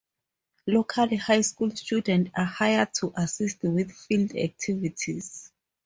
Local high school students are hired to assist with field activities.